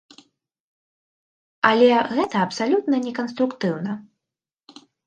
Але гэта абсалютна неканструктыўна.